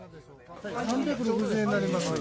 ３６０円になります。